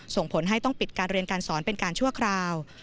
ส่งผลให้ต้องปิดการเรียนการสอนเป็นการชั่วคราว